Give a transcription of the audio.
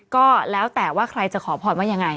ก็แล้วแต่ว่าใครจะขอพรว่ายังไง